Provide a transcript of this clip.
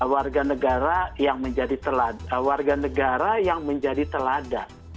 warga negara teladan warga negara yang menjadi teladan